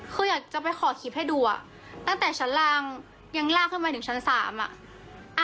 คืออยากจะไปขอคลิปให้ดูอ่ะตั้งแต่ชั้นล่างยังลากขึ้นไปถึงชั้นสามอ่ะ